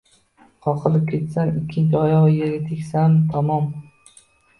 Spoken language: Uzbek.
Qoqilib ketsami, ikkinchi oyog‘i yerga tegsami, tamom!